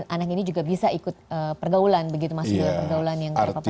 anak ini juga bisa ikut pergaulan begitu masuk dalam pergaulan yang terpapar